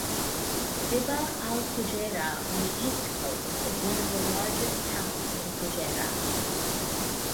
Dibba Al-Fujairah on the east coast is one of the largest towns in Fujairah.